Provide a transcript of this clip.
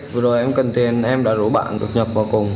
vừa rồi em cần tiền em đã rủ bạn được nhập vào cùng